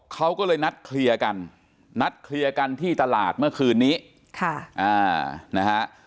เขาก็เลยนัดเคลียร์กันนัดเคลียร์กันที่ตลาดเมื่อคืนนี้ค่ะอ่านะฮะ